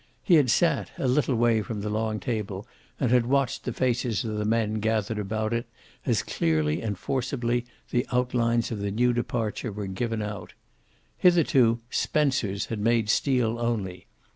He had sat, a little way from the long table, and had watched the faces of the men gathered about it as clearly and forcibly the outlines of the new departure were given out. Hitherto "Spencer's" had made steel only.